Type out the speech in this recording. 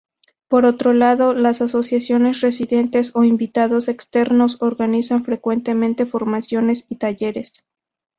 Por otro lado, las asociaciones residentes o invitados externos organizan frecuentemente formaciones y talleres.